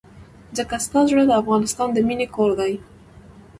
ځکه ستا زړه د افغانستان د مينې کور دی.